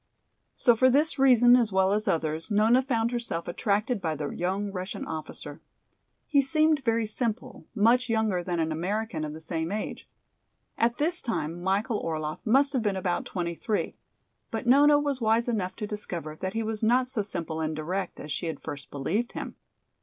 So for this reason as well as others Nona found herself attracted by the young Russian officer. He seemed very simple, much younger than an American of the same age. At this time Michael Orlaff must have been about twenty three. But Nona was wise enough to discover that he was not so simple and direct as she had first believed him.